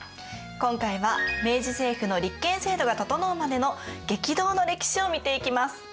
今回は明治政府の立憲制度が整うまでの激動の歴史を見ていきます。